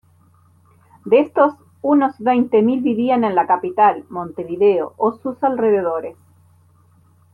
De estos unos veinte mil vivían en la capital, Montevideo, o sus alrededores.